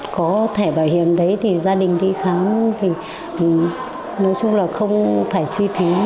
có thẻ bảo hiểm đấy thì gia đình đi khám thì nói chung là không phải suy thí